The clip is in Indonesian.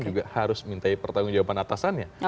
juga harus minta pertanggung jawaban atasannya